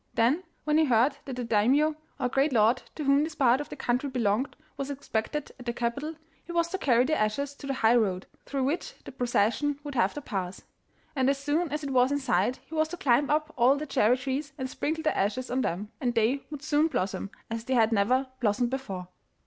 Then, when he heard that the Daimio, or great lord to whom this part of the country belonged, was expected at the capital, he was to carry the ashes to the high road, through which the procession would have to pass. And as soon as it was in sight he was to climb up all the cherry trees and sprinkle the ashes on them, and they would soon blossom as they had never blossomed before.